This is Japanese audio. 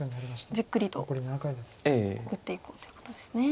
じっくりと打っていこうということですね。